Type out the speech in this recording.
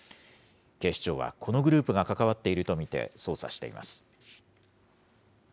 警視庁は、このグループが関わっていると見て捜査しています。